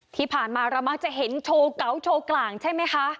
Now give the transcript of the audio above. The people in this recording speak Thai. ที่ผ่านมาเรามักจะเห็นโชว์เก๋าโชว์กลางใช่ไหมคะ